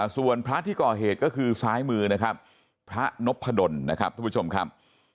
ส่วนพระที่ก่อเหตุก็คือซ้ายมือนะครับพระนพดลนะครับทุกผู้ชมครับ